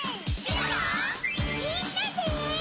みんなで！